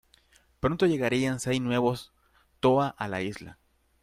Pronto llegarían seis nuevos Toa a la isla...